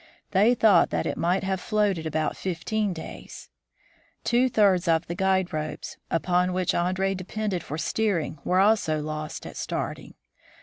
They thought that it might have floated about fifteen days. Two thirds of the guide ropes, upon which Andree depended for steering, were also lost at starting.